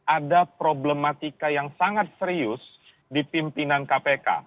ada problematika yang sangat serius di pimpinan kpk